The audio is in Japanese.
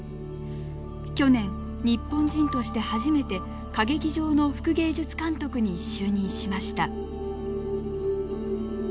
去年日本人として初めて歌劇場の副芸術監督に就任しました。